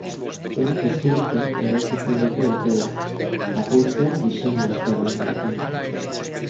Urtez urte eraikitzen dute hotela, bakoitzean diseinu ezberdinarekin.